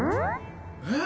えっ！